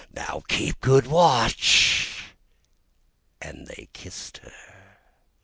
"Now keep good watch!" and they kissed her.